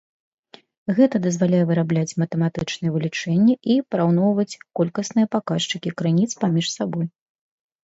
Гэта дазваляе вырабляць матэматычныя вылічэнні і параўноўваць колькасныя паказчыкі крыніц паміж сабой.